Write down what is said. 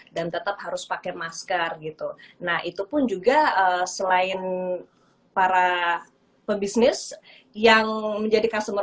dan tetap harus pakai maskar gitu nah itu pun juga selain para pebisnis yang menjadi customer